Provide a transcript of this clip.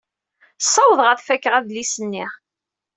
Ssawḍeɣ ad fakeɣ adlis-nni.